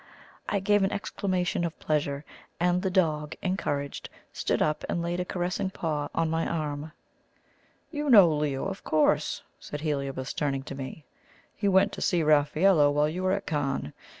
I gave an exclamation of pleasure, and the dog, encouraged, stood up and laid a caressing paw on my arm. "You know Leo, of course," said Heliobas, turning to me. "He went to see Raffaello while you were at Cannes.